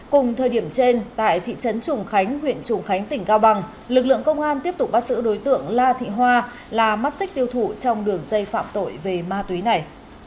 cùng thời điểm trên tại thị trấn trùng khánh huyện trùng khánh tỉnh cao bằng lực lượng công an tiếp tục bắt giữ đối tượng la thị hoa là mắt xích tiêu thụ trong đường dây phạm tội về ma túy này